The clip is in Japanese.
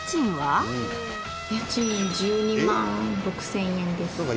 家賃１２万６０００円です。